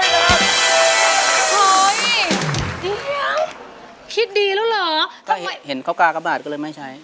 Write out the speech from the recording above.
เฮ้ยเดี๋ยวคิดดีแล้วเหรอก็เห็นเขากากบาทก็เลยไม่ใช้